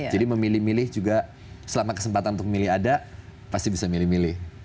jadi memilih milih juga selama kesempatan untuk memilih ada pasti bisa milih milih